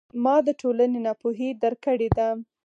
ما د ټولنې ناپوهي درک کړې ده.